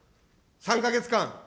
３か月間。